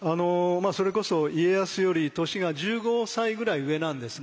それこそ家康より年が１５歳ぐらい上なんですね。